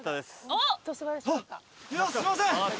すいません。